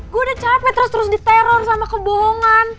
gue udah capek terus terus diteror sama kebohongan